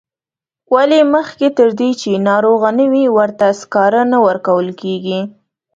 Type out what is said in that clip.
ولې مخکې تر دې چې ناروغه نه وي ورته سکاره نه ورکول کیږي.